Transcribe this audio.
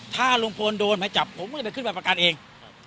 ถ้าลุงพลโดนหมายจับผมก็จะขึ้นไปประกันเอง